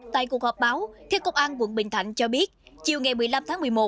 tại cuộc họp báo theo công an quận bình thạnh cho biết chiều ngày một mươi năm tháng một mươi một